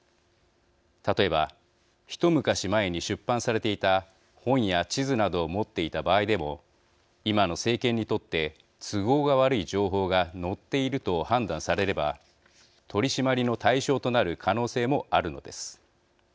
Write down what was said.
例えば一昔前に出版されていた本や地図などを持っていた場合でも今の政権にとって都合が悪い情報が載っていると判断されれば取締りの対象となる可能性もあるのです。